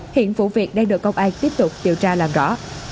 hiện vụ việc đang được công an tiếp tục điều tra làm rõ